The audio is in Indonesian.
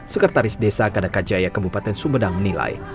sekretaris desa kadakajaya kabupaten sumedang menilai